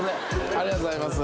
ありがとうございます